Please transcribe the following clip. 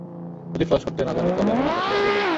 যদি ফ্লস করতে না জানো তবে আমি না থাকলে হারিয়ে যাবে।